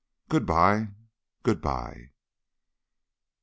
"Good bye. Good bye."